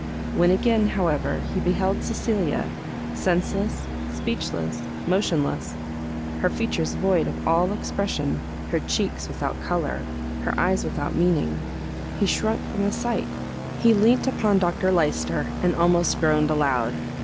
When again, however, he beheld Cecilia, senseless, speechless, motionless, her features void of all expression, her cheeks without colour, her eyes without meaning, he shrunk from the sight, he leant upon Dr Lyster, and almost groaned aloud.